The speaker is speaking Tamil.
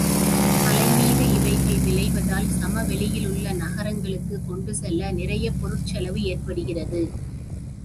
மலை மீது இவைகள் விளைவதால் சமவெளியிலுள்ள நகரங்களுக்குக் கொண்டு செல்ல நிறையப் பொருட் செலவு ஏற்படுகிறது.